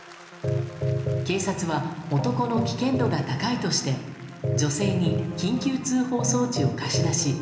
警察は男の危険度が高いとして女性に緊急通報装置を貸し出し。